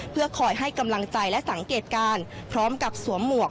เพื่อคอยให้กำลังใจและสังเกตการณ์พร้อมกับสวมหมวก